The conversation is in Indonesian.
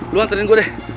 lu anterin gua deh